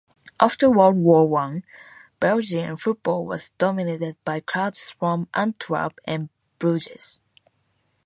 After World War One, Belgian football was dominated by clubs from Antwerp and Bruges.